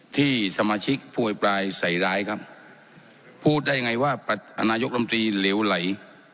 ที่สมาชิกผู้อวยปลายใส่ร้ายครับพูดได้ไงว่านายกรรมตรีเหลวไหล